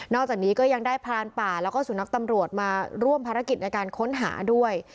จากนี้ก็ยังได้พรานป่าแล้วก็สุนัขตำรวจมาร่วมภารกิจในการค้นหาด้วย